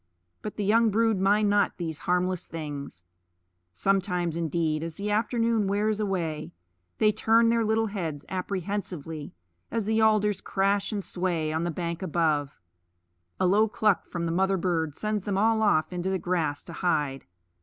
But the young brood mind not these harmless things. Sometimes indeed, as the afternoon wears away, they turn their little heads apprehensively as the alders crash and sway on the bank above; a low cluck from the mother bird sends them all off into the grass to hide.